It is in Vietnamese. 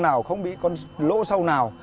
nào không bị con lỗ sâu nào